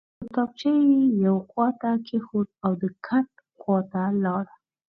کتابچه یې یوې خواته کېښوده او د کټ خواته لاړ